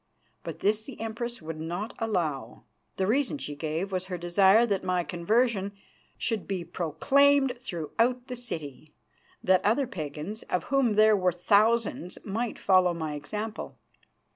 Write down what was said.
But this the Empress would not allow. The reason she gave was her desire that my conversion should be proclaimed throughout the city, that other Pagans, of whom there were thousands, might follow my example.